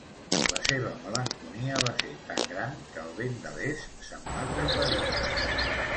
La seva malenconia va ser tan gran que el vent de l'est se'n va compadir.